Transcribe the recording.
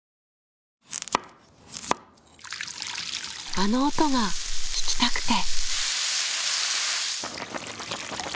あの音が聞きたくて。